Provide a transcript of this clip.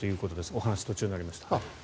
お話、途中になりました。